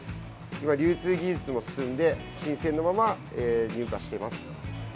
今、流通技術が進んで新鮮なまま入荷しています。